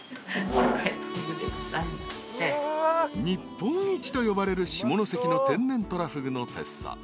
［日本一と呼ばれる下関の天然トラフグのてっさ］